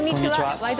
「ワイド！